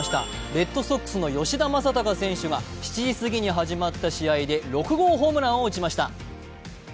レッドソックスの吉田正尚選手が７時過ぎに始まった試合で６号ホームランを打ちました。